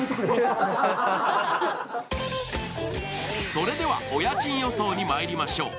それではお家賃予想にまいりましょう。